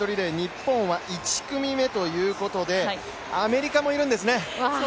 日本は１組目ということでアメリカもいるんですね。